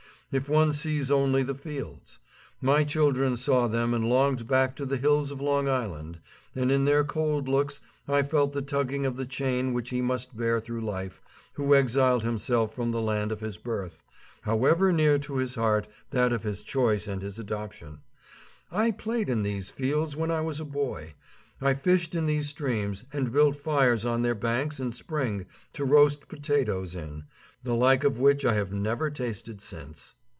If one sees only the fields. My children saw them and longed back to the hills of Long Island; and in their cold looks I felt the tugging of the chain which he must bear through life who exiled himself from the land of his birth, however near to his heart that of his choice and his adoption. I played in these fields when I was a boy. I fished in these streams and built fires on their banks in spring to roast potatoes in, the like of which I have never tasted since.